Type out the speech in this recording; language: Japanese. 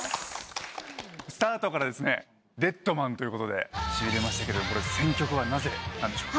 スタートから『ＤＥＡＤＭＡＮ』ということでしびれましたけど選曲はなぜなんでしょうか？